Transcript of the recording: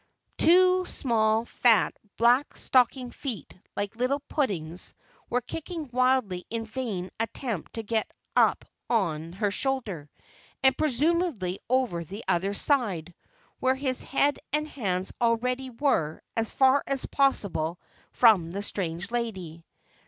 Two small, fat, black stockinged feet, like little puddings, were kicking wildly in a vain attempt to get up on her shoulder, and, presumably, over on the other side, where his head and hands already were, as far as possible from the strange lady.